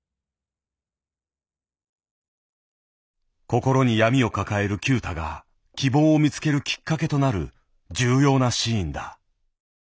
心に闇を抱える九太が希望を見つけるきっかけとなる重要なシーンだ。